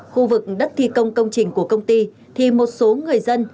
khu vực đất thi công công trình của công ty thì một số người dân